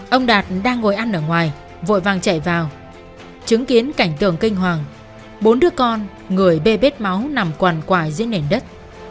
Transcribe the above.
ông đạt đang ngồi ăn ở ngoài vội vàng chạy vào chứng kiến cảnh tường kinh hoàng bốn đứa con người bê bếp máu nằm quần quại dưới nền đất